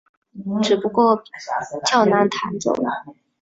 只不过较难弹奏。